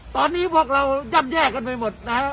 ตอนนี้พวกเราย่ำแย่กันไปหมดนะครับ